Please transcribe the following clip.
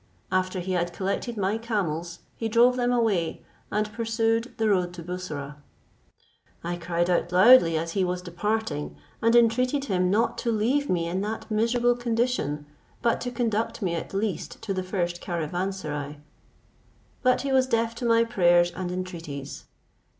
After he had collected my camels, he drove them away, and pursued the road to Bussorah. I cried out loudly as he was departing, and entreated him not to leave me in that miserable condition, but to conduct me at least to the first caravanserai; but he was deaf to my prayers and entreaties.